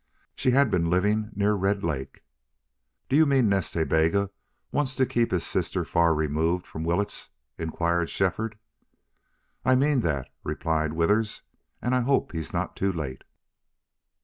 She had been living near Red Lake." "Do you mean Nas Ta Bega wants to keep his sister far removed from Willetts?" inquired Shefford. "I mean that," replied Withers, "and I hope he's not too late."